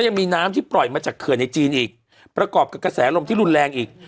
ยังมีน้ำที่ปล่อยมาจากเขื่อนในจีนอีกประกอบกับกระแสลมที่รุนแรงอีก